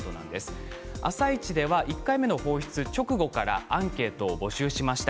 「あさイチ」では１回目の放出直後からアンケートを募集しました。